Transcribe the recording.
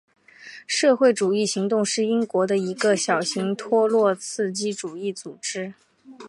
社会主义行动是英国的一个小型托洛茨基主义组织。